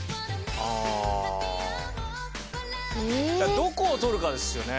どこを取るかですよね。